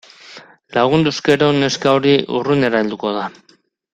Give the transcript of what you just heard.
Lagunduz gero neska hori urrunera helduko da.